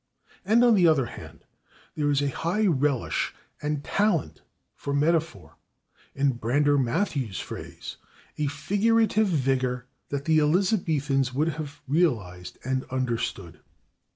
And on the other hand there is a high relish and talent for metaphor in Brander Matthews' phrase, "a figurative vigor that the Elizabethans would have realized and understood."